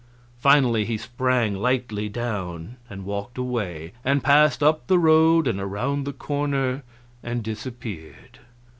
Finally he sprang lightly down and walked away, and passed up the road and around the corner and disappeared.